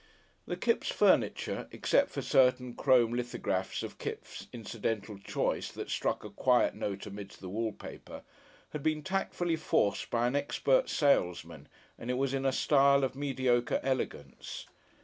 The Kipps' furniture, except for certain chromo lithographs of Kipps' incidental choice that struck a quiet note amidst the wall paper, had been tactfully forced by an expert salesman, and it was in a style of mediocre elegance.